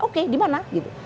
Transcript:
oke dimana gitu